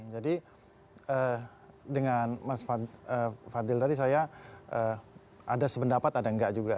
jadi dengan mas fadil tadi saya ada sependapat ada enggak juga